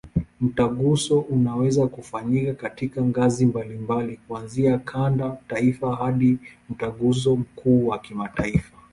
Mtaguso unaweza kufanyika katika ngazi mbalimbali, kuanzia kanda, taifa hadi Mtaguso mkuu wa kimataifa.